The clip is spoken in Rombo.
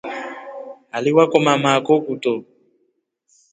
Haliwakoma maako kuto.